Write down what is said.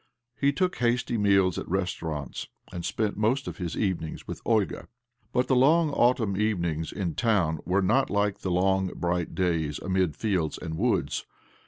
He took hasty meajs at restaurants, and spent most of his evenings with Olga. But the long autumn evenings in town were not like the long, bright days amid fields and woods.